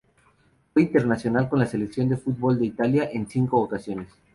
Fue internacional con la selección de fútbol de Italia en cinco ocasiones.